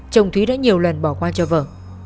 chồng thúy đã nhiều lần bỏ qua cho vợ